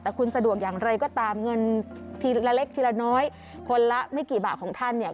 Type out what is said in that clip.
แต่คุณสะดวกอย่างไรก็ตามเงินทีละเล็กทีละน้อยคนละไม่กี่บาทของท่านเนี่ย